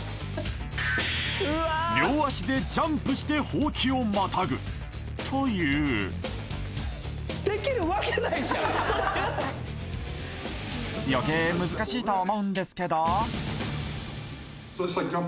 両足でジャンプしてホウキをまたぐという余計難しいと思うんですけど？